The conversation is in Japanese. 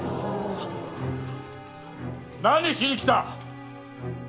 何しに来た？